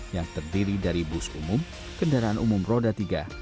yang terdiri dari bus umum kendaraan umum roda tiga